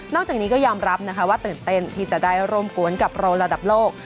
จากนี้ก็ยอมรับนะคะว่าตื่นเต้นที่จะได้ร่วมกวนกับเราระดับโลก